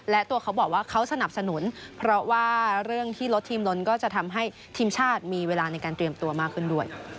และตัวเขาบอกว่าเขาสนับสนุนเพราะว่าเรื่องที่ลดทีมล้นก็จะทำให้ทีมชาติมีเวลาในการเตรียมตัวมากขึ้นด้วย